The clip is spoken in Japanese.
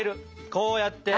こうやって。